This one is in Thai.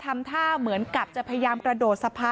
เมื่อเวลาอันดับ